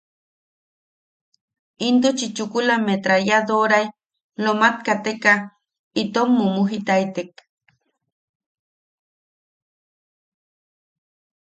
Intuchi chukula metrayadorae lomat kateka itom mumujitaitek.